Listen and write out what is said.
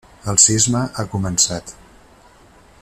El cisma ha començat.